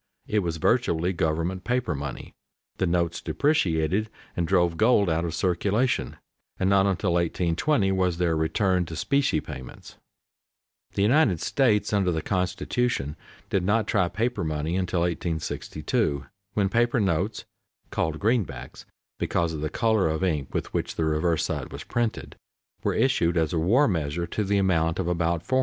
It was virtually government paper money. The notes depreciated and drove gold out of circulation, and not until 1820 was there a return to specie payments. [Sidenote: The greenbacks] The United States under the constitution did not try paper money till 1862 when paper notes (called greenbacks, because of the color of ink with which the reverse side was printed) were issued as a war measure to the amount of about $450,000,000.